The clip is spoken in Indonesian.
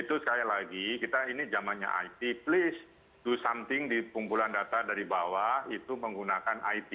itu sekali lagi kita ini zamannya it please to something di kumpulan data dari bawah itu menggunakan it